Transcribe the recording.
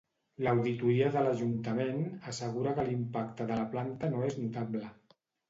L´auditoria de l´Ajuntament assegura que l´impacte de la planta no és notable.